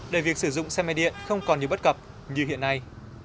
để việc sử dụng xe máy điện không còn nhiều bất cập như hiện nay